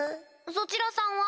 そちらさんは？